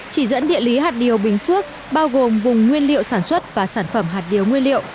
chỉ dẫn địa lý hạt điều bình phước bao gồm vùng nguyên liệu sản xuất và sản phẩm hạt điều nguyên liệu